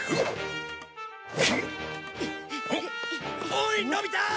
おいのび太！